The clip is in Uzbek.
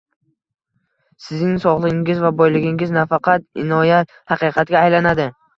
Sizning sog'ligingiz va boyligingiz, nafaqat inoyat, haqiqatga aylanadi